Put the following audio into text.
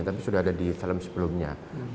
tapi sudah ada di film sebelumnya